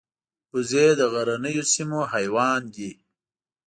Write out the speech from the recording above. وزې د غرنیو سیمو حیوان دي